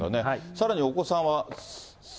さらにお子さんは。